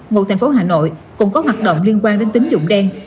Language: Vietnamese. nguồn thành phố hà nội cũng có hoạt động liên quan đến tín dụng đen